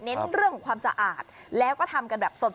เรื่องของความสะอาดแล้วก็ทำกันแบบสด